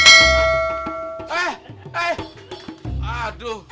eh eh aduh